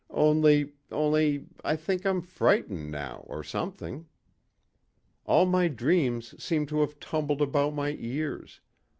Only only I think I'm frightened now, or something. All my dreams seem to have tumbled about my ears.